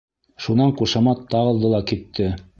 Шунан ҡушамат тағылды ла китте.